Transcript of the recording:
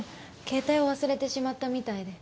携帯を忘れてしまったみたいで。